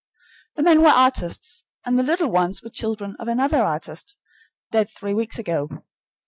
The men were artists, and the little ones were children of another artist, dead three weeks ago.